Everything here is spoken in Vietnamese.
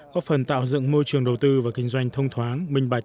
có phần tạo dựng môi trường đầu tư và kinh doanh thông thoáng